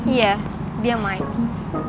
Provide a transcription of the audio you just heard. iya dia mike